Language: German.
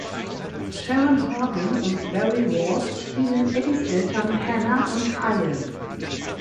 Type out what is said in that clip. Sharon Horgan and Barry Ward spielen Eddies Eltern Hannah und Ian.